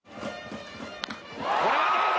「これはどうだ？